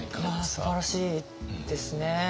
いやすばらしいですね。